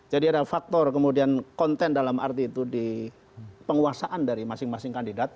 jadi ada faktor kemudian konten dalam arti itu di penguasaan dari masing masing kandidat